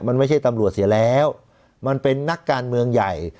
มันไม่ใช่ตำรวจเสียแล้วมันเป็นนักการเมืองใหญ่